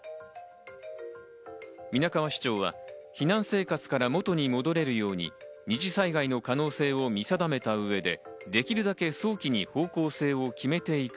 皆川市長は避難生活から元に戻れるように二次災害の可能性を見定めた上でできるだけ早期に方向性を決めていく。